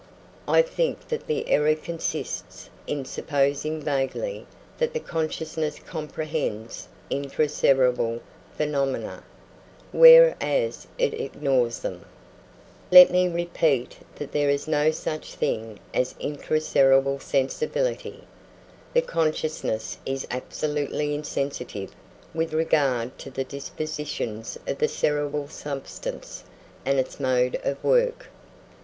I think that the error consists in supposing vaguely that the consciousness comprehends intra cerebral phenomena, whereas it ignores them. Let me repeat that there is no such thing as intra cerebral sensibility. The consciousness is absolutely insensitive with regard to the dispositions of the cerebral substance and its mode of work.